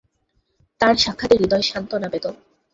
তাঁর সাক্ষাতে হৃদয় সান্ত্বনা পেত।